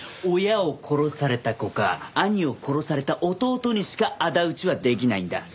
親を殺された子か兄を殺された弟にしか仇討ちはできないんだ。